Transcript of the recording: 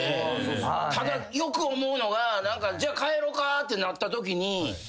だたよく思うのがじゃ帰ろうかってなったときに。